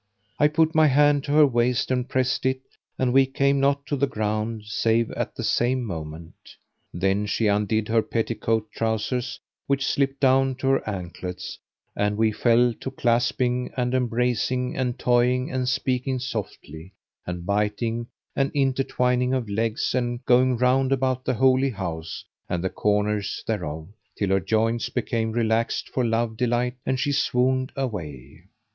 I put my hand to her waist and pressed it and we came not to the ground save at the same moment. Then she undid her petticoat trousers which slipped down to her anklets, and we fell to clasping and embracing and toying and speaking softly and biting and inter twining of legs and going round about the Holy House and the corners thereof,[FN#515] till her joints became relaxed for love delight and she swooned away.